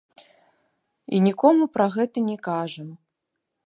І нікому пра гэта не кажам.